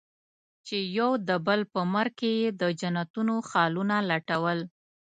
چې يو د بل په مرګ کې يې د جنتونو خالونه لټول.